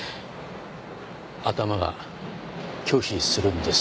頭が拒否するんです。